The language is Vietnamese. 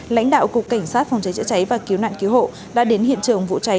lãnh đạo cục cảnh sát phòng cháy chữa cháy và cứu nạn cứu hộ đã đến hiện trường vụ cháy